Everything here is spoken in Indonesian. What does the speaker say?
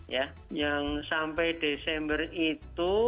ya yang sampai desember itu